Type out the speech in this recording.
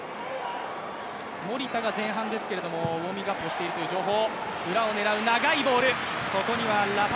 守田が前半ですけれどもウオーミングアップをしているという情報。